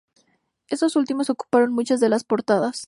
Estos últimos ocuparon muchas de las portadas.